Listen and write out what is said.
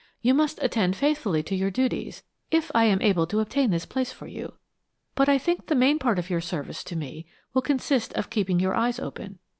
You must attend faithfully to your duties, if I am able to obtain this place for you, but I think the main part of your service to me will consist of keeping your eyes open.